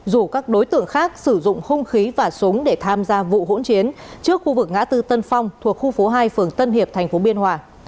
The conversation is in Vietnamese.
rủ các đối tượng khác sử dụng hung khí và súng để tham gia vụ hỗn chiến trước khu vực ngã tư tân phong thuộc khu phố hai phường tân hiệp tp biên hòa